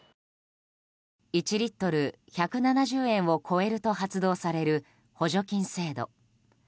１リットル＝１７０円を超えると発動される補助金制度。